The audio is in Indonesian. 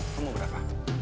lo mau berapa